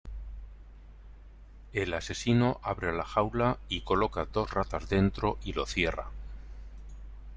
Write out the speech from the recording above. El asesino abre la jaula y coloca dos ratas dentro y lo cierra.